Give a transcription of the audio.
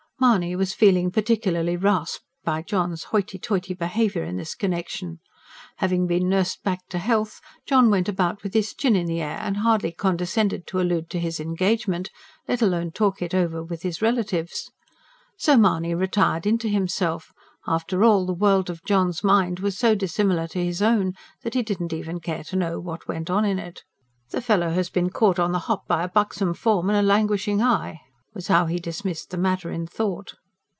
Mahony was feeling particularly rasped by John's hoity toity behaviour in this connection. Having been nursed back to health, John went about with his chin in the air, and hardly condescended to allude to his engagement let alone talk it over with his relatives. So Mahony retired into himself after all, the world of John's mind was so dissimilar to his own that he did not even care to know what went on in it. "The fellow has been caught on the hop by a buxom form and a languishing eye," was how he dismissed the matter in thought.